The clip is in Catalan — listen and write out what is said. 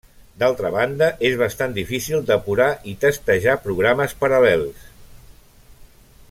D'altra banda, és bastant difícil depurar i testejar programes paral·lels.